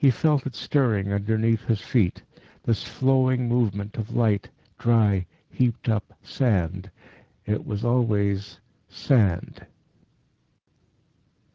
He felt it stirring underneath his feet this flowing movement of light, dry, heaped up sand. It was always sand.